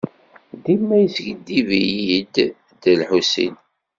Dima yeskiddib-iyi-d Dda Lḥusin.